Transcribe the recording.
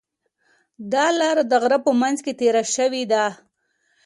دا لاره د غره په منځ کې تېره شوې ده.